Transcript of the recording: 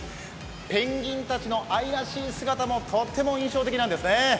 ペンギンたちの愛らしい姿もとっても印象的なんですね。